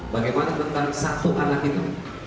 bagaimana tentang satu anak itu